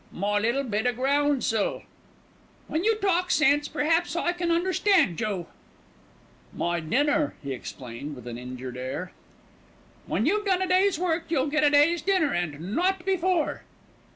"My little bit o' groundsel." "When you talk sense, perhaps I can understand you." "My dinner," he explained with an injured air. "When you've done a day's work you'll get a day's dinner, and not before."